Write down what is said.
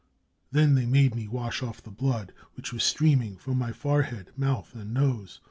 Then they made me wash off the blood which was streaming from my forehead, mouth and nose.